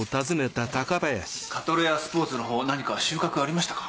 カトレアスポーツのほう何か収穫ありましたか？